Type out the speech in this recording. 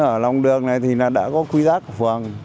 ở lòng đường này thì đã có quy giác của phường